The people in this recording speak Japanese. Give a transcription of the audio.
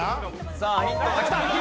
さあヒントがきた。